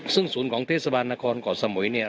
ซึ่งศูนย์ของเทศบาลนครเกาะสมุยเนี่ย